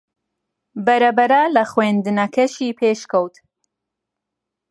بەرەبەرە لە خوێندنەکەشی پێشکەوت